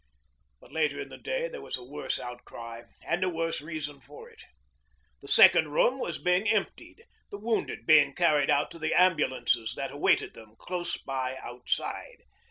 But later in the day there was a worse outcry and a worse reason for it. The second room was being emptied, the wounded being carried out to the ambulances that awaited them close by outside.